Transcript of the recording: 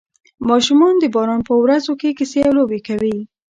ماشومان د باران په ورځو کې کیسې او لوبې کوي.